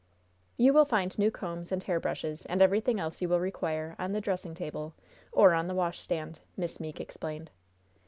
"You will find new combs and hair brushes, and everything else you will require, on the dressing table, or on the washstand," Miss Meeke explained.